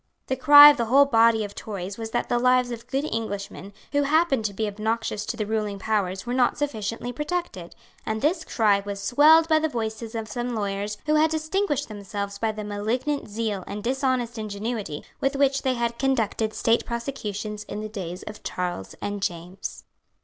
The cry of the whole body of Tories was that the lives of good Englishmen who happened to be obnoxious to the ruling powers were not sufficiently protected; and this cry was swelled by the voices of some lawyers who had distinguished themselves by the malignant zeal and dishonest ingenuity with which they had conducted State prosecutions in the days of Charles and James.